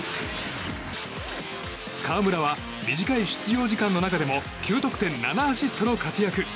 河村は短い出場時間の中でも９得点７アシストの活躍。